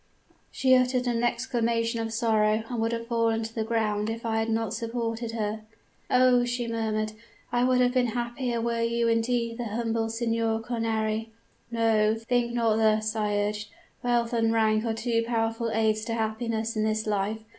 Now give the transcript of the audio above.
"She uttered an exclamation of sorrow and would have fallen to the ground if I had not supported her. "'Oh!' she murmured, 'I would have been happier were you indeed the humble Signor Cornari!' "'No; think not thus,' I urged, 'wealth and rank are two powerful aids to happiness in this life.